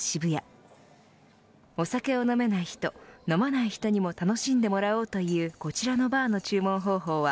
お酒を飲めない人飲まない人にも楽しんでもらおうというこちらのバーの注文方法は